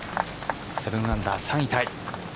７アンダー３位タイ。